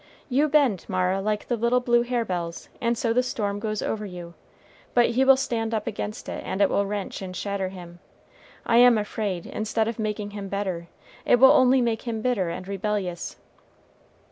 You bend, Mara, like the little blue harebells, and so the storm goes over you; but he will stand up against it, and it will wrench and shatter him. I am afraid, instead of making him better, it will only make him bitter and rebellious."